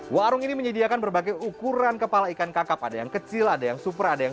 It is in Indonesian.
warung ini menyediakan berbagai ukuran kepala ikan kakap ada yang kecil ada yang super ada yang